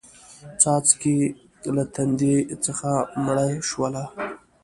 څاڅکې له تندې څخه مړه شوله